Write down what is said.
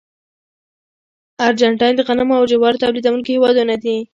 ارجنټاین د غنمو او جوارو تولیدونکي هېوادونه دي.